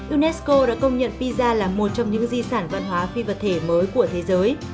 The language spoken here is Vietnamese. unesco đã công nhận pizza là một trong những di sản văn hóa phi vật thể mới của thế giới